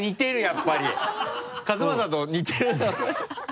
やっぱり和正と似てる